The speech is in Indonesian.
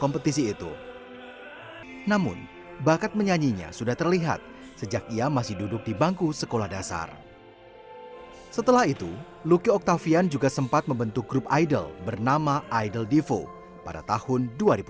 pada tahun dua ribu tujuh lucky octavian juga sempat membentuk grup idol bernama idol divo pada tahun dua ribu tujuh